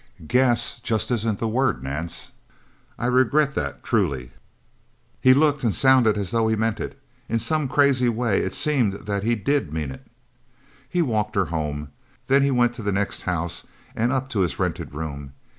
"'Guess' just isn't the word, Nance. I regret that truly." He looked and sounded as though he meant it. In some crazy way, it seemed that he did mean it. He walked her home. Then he went to the next house, and up to his rented room.